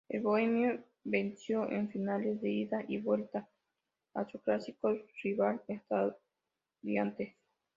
El bohemio venció en finales de ida y vuelta a su clásico rival Estudiantes.